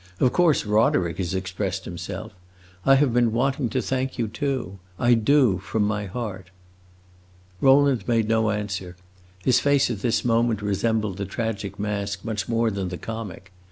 Of course Roderick has expressed himself. I have been wanting to thank you too; I do, from my heart." Rowland made no answer; his face at this moment resembled the tragic mask much more than the comic.